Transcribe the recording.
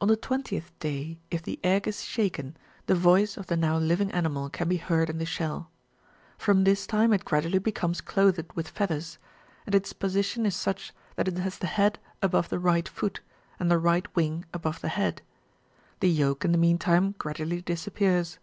On the twentieth day, if the egg is shaken, the voice of the now living animal can be heard in the shell. From this time it gradually becomes clothed with feathers ; and its position is such that it has the head above the right foot, and the right wing above the head : the yolk in the meantime gradually disappears.